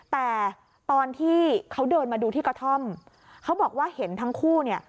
แต่ตอนที่เขาเดินมาดูที่กระท่อมเขาบอกว่าเห็นทั้งคู่เนี่ย